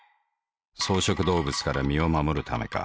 草食動物から身を護るためか。